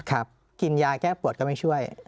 กินยาแก้ปวดก็ไม่ช่วย